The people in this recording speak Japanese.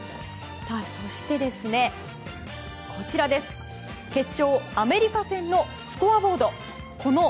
そして、決勝アメリカ戦のスコアボード